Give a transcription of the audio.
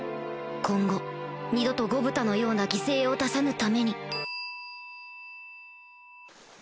今後二度とゴブタのような犠牲を出さぬために